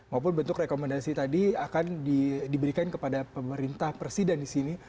maupun bentuk rekomendasi tadi akan diberikan kepada pemerintah presiden di sini